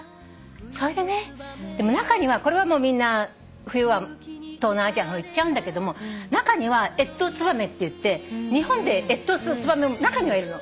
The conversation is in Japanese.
それでね中にはこれはみんな冬は東南アジアの方行っちゃうんだけども中には越冬ツバメっていって日本で越冬するツバメも中にはいるの。